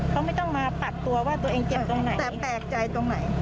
เขาไม่ต้องมาปัดตัวว่าตัวเองเจ็บตรงไหนแต่แปลกใจตรงไหน